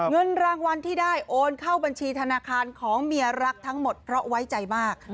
เงินรางวัลที่ได้โอนเข้าบัญชีธนาคารของเมียรักทั้งหมดเพราะไว้ใจมาก